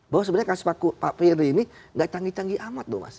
bahwa sebenarnya kasus pak firdwadi ini tidak canggih canggih amat